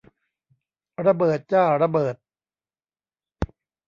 ระเบิดจ้า ระเบิด